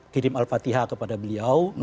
kirim al fatihah kepada beliau